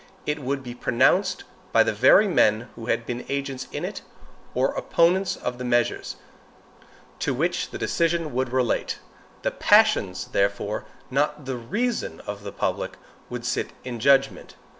It would be pronounced by the very men who had been agents in, or opponents of, the measures to which the decision would relate. The PASSIONS, therefore, not the REASON, of the public would sit in judgment.